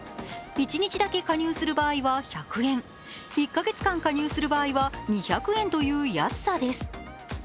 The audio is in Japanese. １日だけ加入する場合は１００円、１カ月間加入する場合は２００円という安さです。